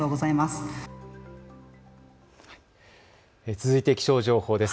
続いて気象情報です。